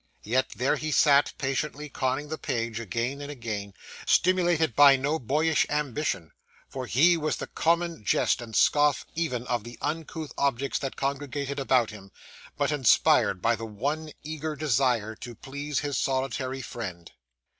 Yet there he sat, patiently conning the page again and again, stimulated by no boyish ambition, for he was the common jest and scoff even of the uncouth objects that congregated about him, but inspired by the one eager desire to please his solitary friend.